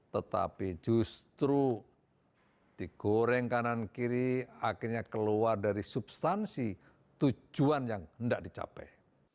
tetapi justru digoreng kanan kiri akhirnya keluar dari substansi tujuan yang hendak dicapai